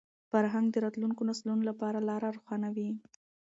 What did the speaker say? فرهنګ د راتلونکو نسلونو لپاره لاره روښانوي.